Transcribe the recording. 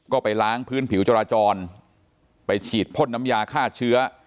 ก็ไปล้างพื้นผิวจราจรไปฉีดพ่นน้ำยาฆ่าเชื้อ